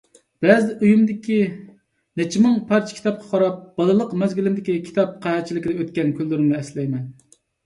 بەزىدە ئۆيۈمدىكى نەچچە مىڭ پارچە كىتابقا قاراپ بالىلىق مەزگىلىمدىكى كىتاب قەھەتچىلىكىدە ئۆتكەن كۈنلىرىمنى ئەسلەيمەن.